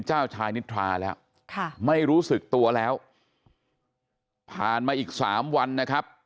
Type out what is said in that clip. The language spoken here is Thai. เจ้าชายนิทราแล้วค่ะไม่รู้สึกตัวแล้วผ่านมาอีกสามวันนะครับ